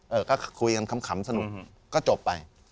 เออก็คุยกันขำสนุกก็จบไป